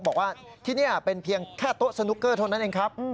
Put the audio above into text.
บอกว่าที่นี่เป็นเพียงแค่โต๊ะสนุกเกอร์เท่านั้นเองครับ